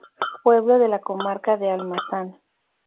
Pueblo de la Comarca de Almazán.